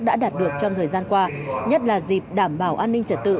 đã đạt được trong thời gian qua nhất là dịp đảm bảo an ninh trật tự